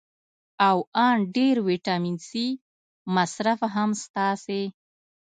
او ان ډېر ویټامین سي مصرف هم ستاسې